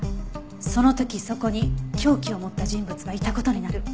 その時そこに凶器を持った人物がいた事になる。